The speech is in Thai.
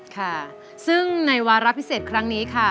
ค่ะซึ่งในวาระพิเศษครั้งนี้ค่ะ